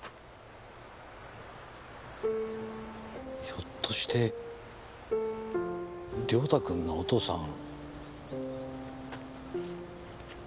ひょっとして良太君のお父さん。